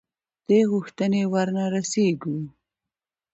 دې غوښتنې ورنه رسېږو.